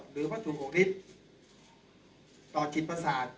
หรือวัตถุ๖ฤทธิ์ต่อจิตประสาท